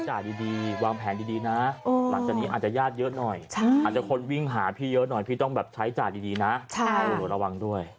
จ่ายดีวางแผนดีนะหลังจากนี้อาจจะญาติเยอะหน่อยอาจจะคนวิ่งหาพี่เยอะหน่อยพี่ต้องแบบใช้จ่ายดีนะระวังด้วย